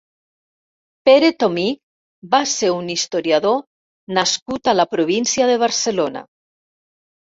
Pere Tomic va ser un historiador nascut a la província de Barcelona.